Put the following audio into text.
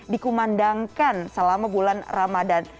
dikumandangkan selama bulan ramadhan